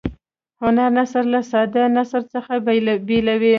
هنري نثر له ساده نثر څخه بیلوي.